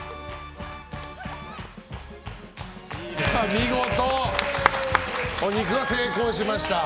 見事、お肉は成功しました。